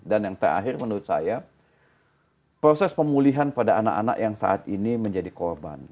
dan yang terakhir menurut saya proses pemulihan pada anak anak yang saat ini menjadi korban